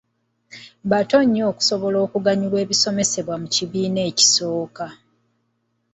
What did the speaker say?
Bato nnyo okusobola okuganyulwa mu bisomesebwa mu kibiina ekisooka.